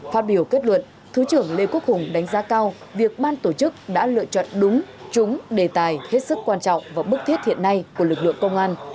phát biểu kết luận thứ trưởng lê quốc hùng đánh giá cao việc ban tổ chức đã lựa chọn đúng chúng đề tài hết sức quan trọng và bức thiết hiện nay của lực lượng công an